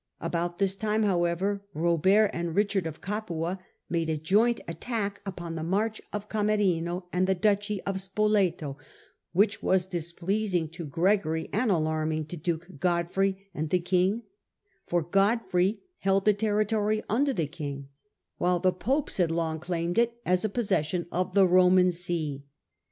About this time, however, Robert and Richard of Capua made a joint attack upon the march of Camerino and duchy of Spoleto, which was displeasing to Gregory and alarming to duke Godfrey and the king, for Godfrey held the territory under the king, while the popes had long claimed it as a possession of the Roman See.